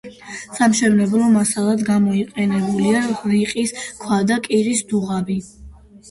სამშენებლო მასალად გამოყენებულია რიყის ქვა და კირის დუღაბი.